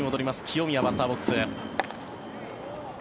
清宮、バッターボックス。